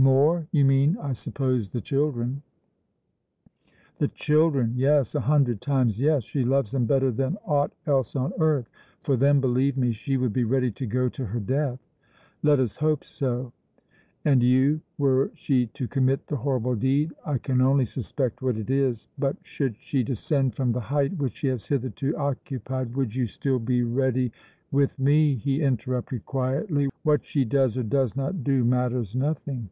"More? You mean, I suppose, the children?" "The children! Yes, a hundred times yes. She loves them better than aught else on earth. For them, believe me, she would be ready to go to her death." "Let us hope so." "And you were she to commit the horrible deed I can only suspect what it is. But should she descend from the height which she has hitherto occupied would you still be ready " "With me," he interrupted quietly, "what she does or does not do matters nothing.